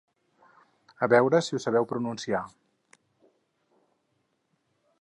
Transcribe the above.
A veure si ho sabeu pronunciar?